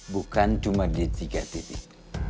bukan cuma di tiga titik